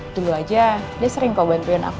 dulu aja dia sering kok bantuin aku